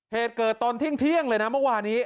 เหตุเกิดตอนเที่ยงเลยนะเมื่อวานี้